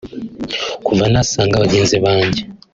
“Kuva nasanga bagenzi banjye